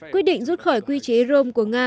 quyết định rút khỏi quy chế rome của nga